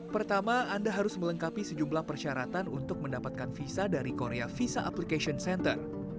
pertama anda harus melengkapi sejumlah persyaratan untuk mendapatkan visa dari korea visa application center